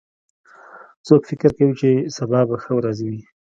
څوک فکر کوي چې سبا به ښه ورځ وي